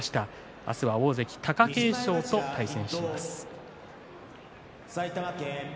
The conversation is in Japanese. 明日は大関貴景勝と対戦します。